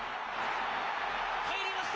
入りました！